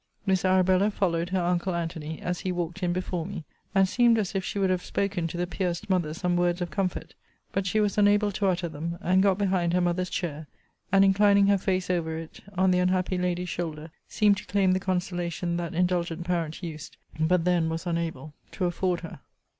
Miss Arabella followed her uncle Antony, as he walked in before me, and seemed as if she would have spoken to the pierced mother some words of comfort. But she was unable to utter them, and got behind her mother's chair; and, inclining her face over it, on the unhappy lady's shoulder, seemed to claim the consolation that indulgent parent used, but then was unable, to afford her.